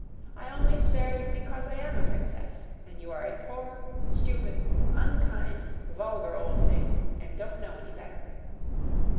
I only spare you because I am a princess, and you are a poor, stupid, unkind, vulgar old thing, and don't know any better."